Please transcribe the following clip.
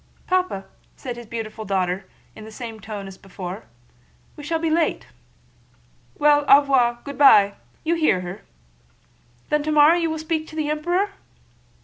"Papa," said his beautiful daughter in the same tone as before, "we shall be late." "Well, au revoir! Good by! You hear her?" "Then tomorrow you will speak to the Emperor?"